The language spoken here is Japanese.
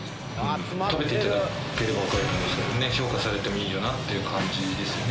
食べていただければ分かると思うんですけど評価されてもいいよなっていう感じですよね。